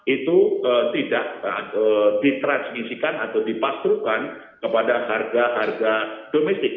itu tidak ditransmisikan atau dipasruhkan kepada harga harga domestik